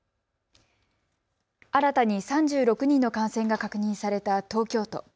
新たに３６人の感染が確認された東京都。